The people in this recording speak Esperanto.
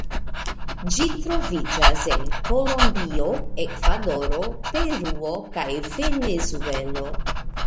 Ĝi troviĝas en Kolombio, Ekvadoro, Peruo kaj Venezuelo.